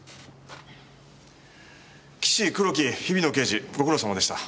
岸黒木日比野刑事ご苦労様でした。